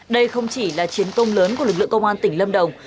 đây không chỉ là chiến công lớn của lực lượng công an tỉnh lâm đồng